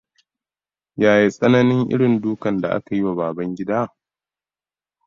Yaya tsananin irin dukan da aka yiwa Babangida?